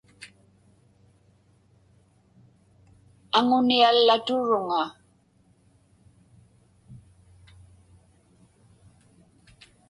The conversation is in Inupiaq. Aŋuniallaturuŋa.